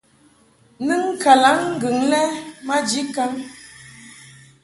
Nɨŋ kalaŋŋgɨŋ lɛ maji kaŋ.